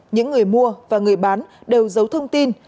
những người mua và người bán đều giấu thông tin